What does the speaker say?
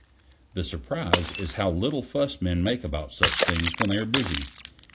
The surprise is how little fuss men make about such things when they are busy.